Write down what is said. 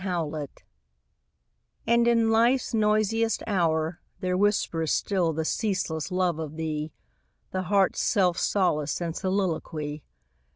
25 And in Life's noisiest hour There whispers still the ceaseless love of thee, The heart's self solace } and soliloquy.